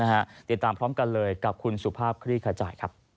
ติดตามพร้อมกันเลยกับคุณสุภาพคลี่ขจายครับ